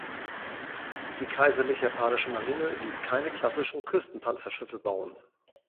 Die Kaiserlich Japanische Marine ließ keine klassischen Küstenpanzerschiffe bauen.